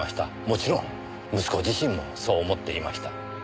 もちろん息子自身もそう思っていました。